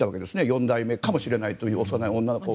４代目かもしれない幼い女の子を。